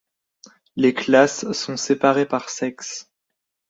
Les classes sont séparées par sexe.